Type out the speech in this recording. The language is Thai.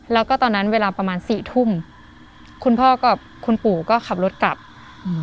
แล้วก็ตอนนั้นเวลาประมาณสี่ทุ่มคุณพ่อกับคุณปู่ก็ขับรถกลับอืม